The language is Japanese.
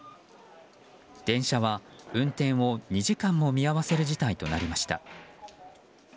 電車は運転を２時間も見合わせる事態となりました。